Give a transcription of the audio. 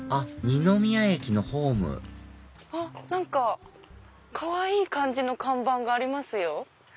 二宮駅のホームあっ何かかわいい感じの看板がありますよ。